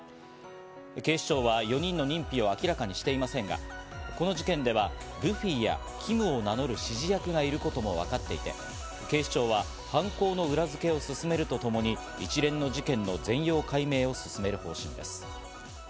警視庁は４人の認否を明らかにしていませんが、この事件ではルフィやキムを名乗る指示役がいることも分かっていて、警視庁は犯行の裏付けを進めるとともに一連の事件の全容解明を進める方針です。